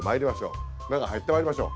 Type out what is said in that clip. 中入ってまいりましょう。